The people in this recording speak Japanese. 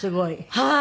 はい。